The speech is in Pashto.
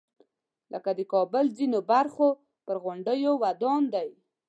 لکه د کابل ځینو برخو پر غونډیو ودان دی.